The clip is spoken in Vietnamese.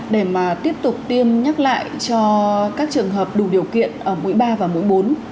để mà tiếp tục tiêm nhắc lại cho các trường hợp đủ điều kiện ở mũi ba và mũi bốn